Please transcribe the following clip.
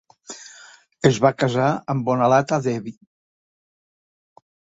Es va casar amb Bonalata Devi.